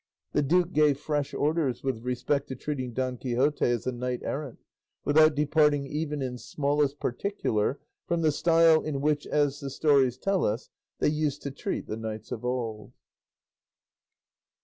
The duke gave fresh orders with respect to treating Don Quixote as a knight errant, without departing even in smallest particular from the style in which, as the stories tell us, they used to treat the knights of old.